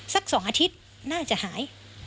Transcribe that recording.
สัก๒อาทิตย์น่าจะหาย